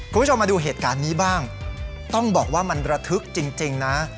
คุณผู้ชมมาดูเหตุการณ์นี้บ้างต้องบอกว่ามันระทึกจริงนะ